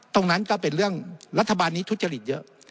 ตรงนั้นก็เป็นเรื่องรัฐบาลนี้ทุจริตเยอะ